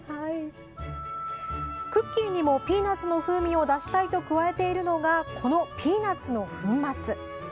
クッキーにもピーナツの風味を出したいと加えているのがこのピーナツの粉末。